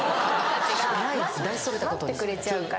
・待ってくれちゃうから。